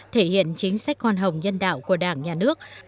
thể hiện chính sách hoan hồng nhân đạo của đảng nhà nước